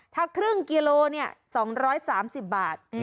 ถ้าครึ่งกิโล๒๓๐บาท